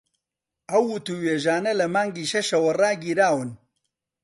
ئەو وتووێژانە لە مانگی شەشەوە ڕاگیراون